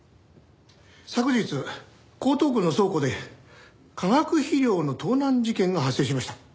昨日江東区の倉庫で化学肥料の盗難事件が発生しました。